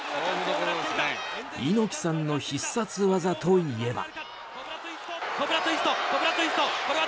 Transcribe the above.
猪木さんの必殺技といえば。